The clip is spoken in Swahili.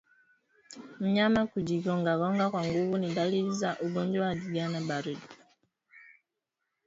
Mnyama kujigongagonga kwa nguvu ni dalili za ugonjwa wa ndigana baridi